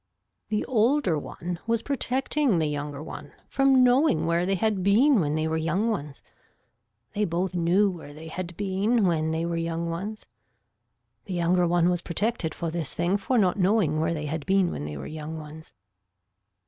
The older one was protecting the younger one from knowing where they had been when they were young ones. They both knew where they had been when they were young ones. The younger one was protected for this thing for not knowing where they had been when they were young ones.